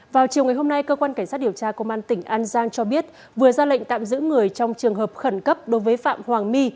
vào chiều ngày hôm nay cơ quan cảnh sát điều tra công an tỉnh an giang cho biết vừa ra lệnh tạm giữ người trong trường hợp khẩn cấp đối với phạm hoàng my